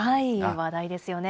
話題ですよね。